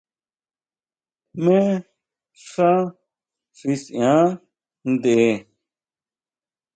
¿Jmé xá xi siʼan ntʼe?